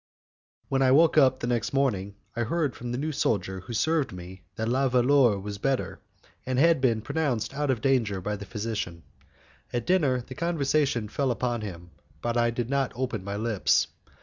When I woke up the next morning, I heard from the new soldier who served me that La Valeur was better, and had been pronounced out of danger by the physician. At dinner the conversation fell upon him, but I did not open my lips.